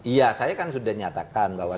iya saya kan sudah nyatakan bahwa